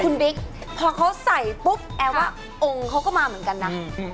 คุณบิ๊กพอเขาใส่ปุ๊บแอร์ว่าองค์เขาก็มาเหมือนกันนะ